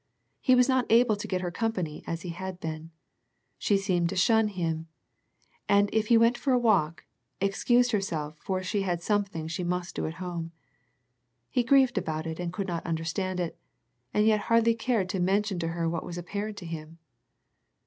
He was not able to get her company as he had been. She seemed to shun him, and if he went for a walk, excused herself for she had something she must do at home. He grieved about it and could not understand it, and yet hardly cared to mention to her what was apparent to him.